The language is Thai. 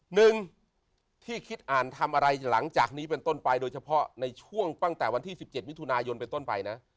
หนึ่งที่คิดอ่านทำอะไรหลังจากนี้เป็นต้นไปโดยเฉพาะในช่วงตั้งแต่วันที่๑๗มิถุนายนเป็นต้นไปนะ